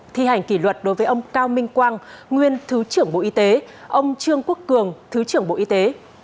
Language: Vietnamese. thi hành kỷ luật đối với ông cao minh quang nguyên thứ trưởng bộ y tế ông trương quốc cường thứ trưởng bộ y tế